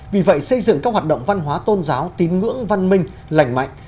vì vậy xây dựng các hoạt động văn hóa tôn giáo tín ngưỡng văn minh lành mạnh